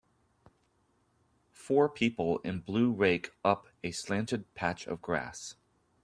Four people in blue rake up a slanted patch of grass.